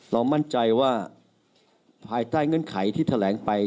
มั่นใจว่าภายใต้เงื่อนไขที่แถลงไป